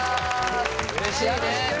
うれしいね